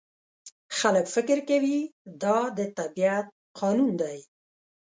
خلک فکر کوي دا د طبیعت قانون دی.